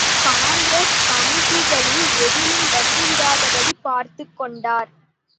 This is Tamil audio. காங்கிரஸ் கமிட்டிகளில் எதிலும் வந்துவிடாதபடி பார்த்துக் கொண்டார்.